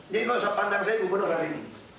jadi kau sepandang saya gubernur hari ini